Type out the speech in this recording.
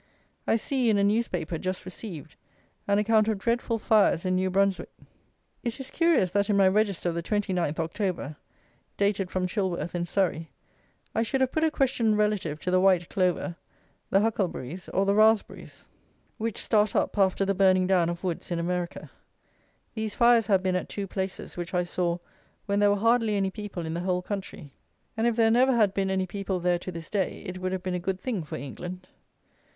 I see, in a newspaper just received, an account of dreadful fires in New Brunswick. It is curious that in my Register of the 29th October (dated from Chilworth in Surrey) I should have put a question relative to the White Clover, the Huckleberries, or the Raspberries, which start up after the burning down of woods in America. These fires have been at two places which I saw when there were hardly any people in the whole country; and if there never had been any people there to this day it would have been a good thing for England.